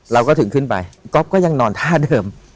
เราก็ถึงขึ้นไปก๊อฟก็ยังนอนท่าเดิม